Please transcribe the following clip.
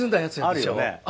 あるよね。